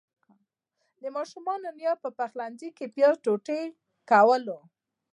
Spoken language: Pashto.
د ماشومانو نيا په پخلنځي کې پياز ټوټه کول.